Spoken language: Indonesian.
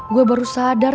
gue baru sadar